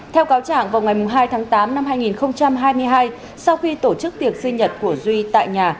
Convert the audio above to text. theo cáo trạng vào ngày hai tháng tám năm hai nghìn hai mươi hai sau khi tổ chức tiệc sinh nhật của duy tại nhà